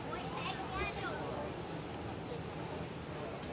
สวัสดีครับทุกคน